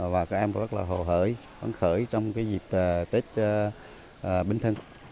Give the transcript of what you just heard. và các em cũng rất là hồ hỡi hấn khởi trong dịp tết bình thân